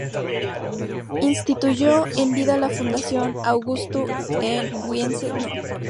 Instituyó en vida la Fundación Augusto N. Wiese, dotándola de capital y otros bienes.